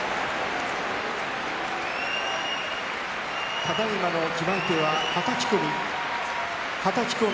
ただいまの決まり手は、はたき込み。